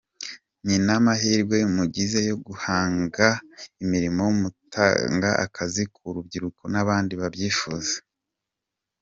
Ni n’amahirwe mugize yo guhanga imirimo mugatanga akazi ku rubyiruko n’abandi babyifuza”.